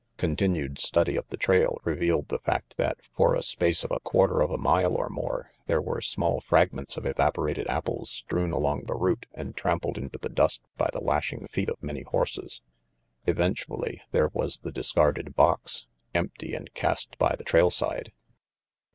Continued study of the trail revealed the fact that for a space of a quarter of a mile or more there were small fragments of evap orated apples strewn along the route and trampled into the dust by the lashing feet of many horses. Eventually, there was the discarded box, empty and cast by the trail side.